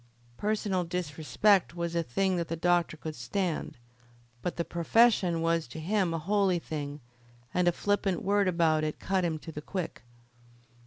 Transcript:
Personal disrespect was a thing that the doctor could stand; but the profession was to him a holy thing, and a flippant word about it cut him to the quick.